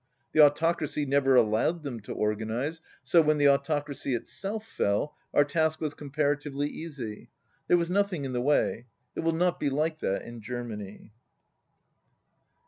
The Autocracy never allowed them to organize, so, when the Autocracy itself fell, our task was com paratively easy. There was nothing in the way. It will not be like that in Germany."